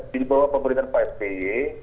di bawah pemberitaan pak spy